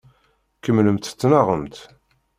Kemmlemt ttnaɣemt.